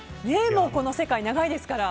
この世界長いですから。